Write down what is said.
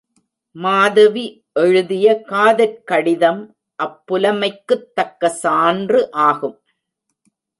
மாதவி எழுதிய காதற் கடிதம் அப்புலமைக்குத் தக்க சான்று ஆகும்.